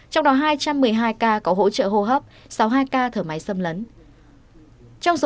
trong đó hai trăm một mươi hai ca có hỗ trợ hô hấp sáu mươi hai ca thở máy xâm lấn